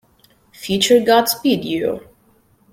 Future Godspeed You!